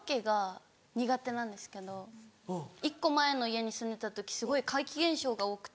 １個前の家に住んでた時すごい怪奇現象が多くて。